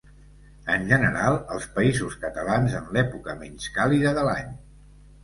És general als Països Catalans en l'època menys càlida de l'any.